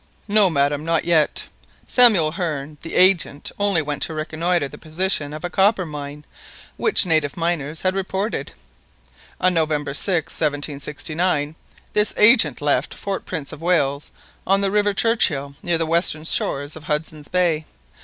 "No, madam, not yet. Samuel Hearne, the agent, only went to reconnoitre the position of a copper mine which native miners had reported. On November 6, 1769, this agent left Fort Prince of Wales, on the river Churchill, near the western shores of Hudson's Bay.